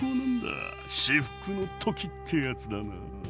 至福の時ってやつだな。